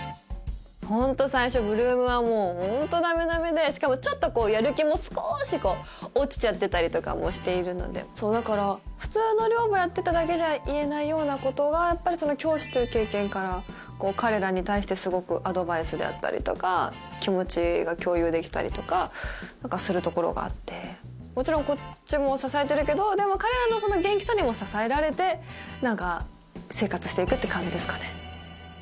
ホント最初８ＬＯＯＭはもうホントダメダメでしかもちょっとやる気も少しこう落ちちゃってたりとかもしているのでだから普通の寮母やってただけじゃ言えないようなことがやっぱり教師という経験から彼らに対してすごくアドバイスであったりとか気持ちが共有できたりとかするところがあってもちろんこっちも支えてるけどでも彼らの元気さにも支えられて何か生活していくって感じですかね